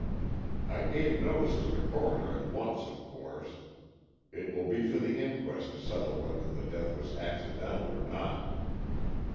I gave notice to the coroner at once, of course. It will be for the inquest to settle whether the death was accidental or not."